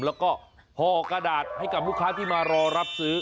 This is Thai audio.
แล้วก็ห่อกระดาษให้กับลูกค้าที่มารอรับซื้อ